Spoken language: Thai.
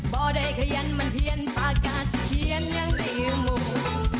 บ่ได้ขยันมันเพียงปากกาศเขียนยังได้อยู่หมู่